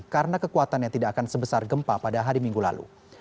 karena kekuatannya tidak akan sebesar gempa pada hari minggu lalu